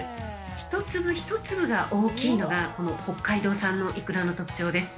一粒一粒が大きいのが、この北海道産のイクラの特徴です。